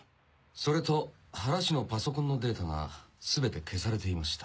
それと原のパソコンのデータが全て消されていました。